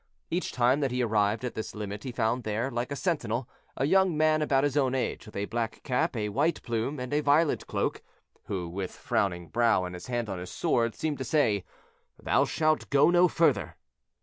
Each time that he arrived at this limit he found there, like a sentinel, a young man about his own age, with a black cap, a white plume, and a violet cloak, who, with frowning brow and his hand on his sword, seemed to say, "Thou shalt go no further."